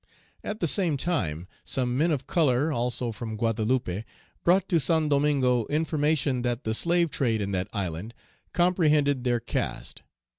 At the same time, some men of color, also from Guadeloupe, brought to Saint Domingo information that the slave trade in that island comprehended their caste.